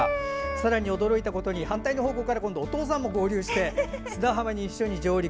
さらに驚いたことに反対の方向から今度お父さんも合流して砂浜に一緒に上陸。